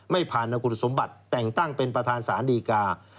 ไม่ผ่านคุณสมบัติแต่งตั้งเป็นประธานสารดีกา